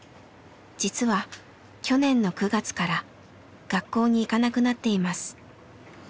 実は去年の９月から学校に行かなくなっています。